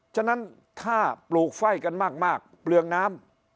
ฉะนั้นถ้าปลูกไฟ่กันมากเปลืองน้ำ